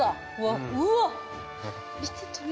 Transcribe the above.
うわっ！